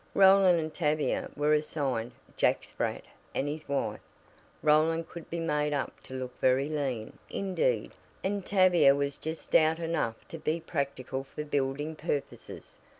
Roland and Tavia were assigned "Jack Spratt and His Wife." Roland could be made up to look very lean, indeed, and Tavia was just stout enough to be "practical for building purposes."